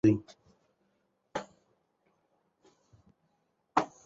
قبر چې معلوم دی، د شهیدانو په هدیره کې دی.